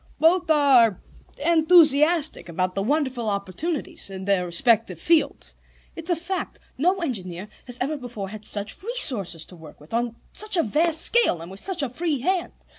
"Both are enthusiastic about the wonderful opportunities in their respective fields. It's a fact: no engineer has ever before had such resources to work with, on such a vast scale, and with such a free hand.